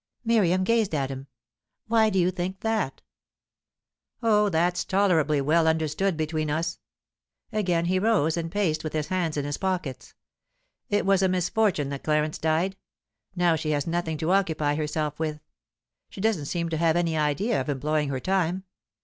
Miriam gazed at him. "Why do you think that?" "Oh, that's tolerably well understood between us." Again he rose, and paced with his hands in his pockets. "It was a misfortune that Clarence died. Now she has nothing to occupy herself with. She doesn't seem to have any idea of employing her time.